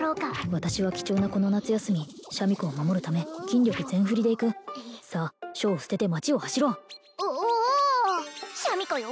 私は貴重なこの夏休みシャミ子を守るため筋力全振りでいくさあ書を捨てて町を走ろうおおーシャミ子よ